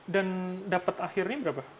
dan dapet akhirnya berapa